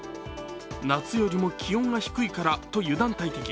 夏よりも気温が低いからと油断大敵。